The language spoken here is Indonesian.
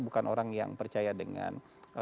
bukan orang yang percaya dengan